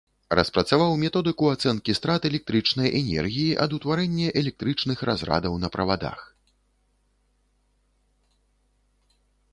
Распрацаваў методыку ацэнкі страт электрычнай энергіі ад утварэння электрычных разрадаў на правадах.